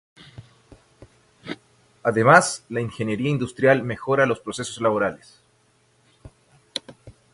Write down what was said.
Además la ingeniería industrial mejora los procesos laborales.